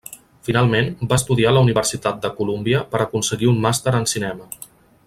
Finalment, va estudiar a la Universitat de Colúmbia per aconseguir un Màster en Cinema.